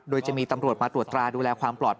โดยจะมีตำรวจมาตรวจตราดูแลความปลอดภัย